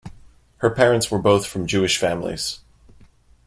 Her parents were both from Jewish families.